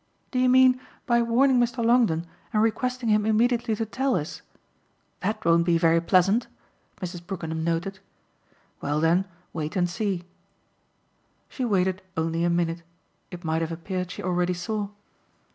"Do you mean by warning Mr. Longdon and requesting him immediately to tell us? That won't be very pleasant," Mrs. Brookenham noted. "Well then wait and see." She waited only a minute it might have appeared she already saw.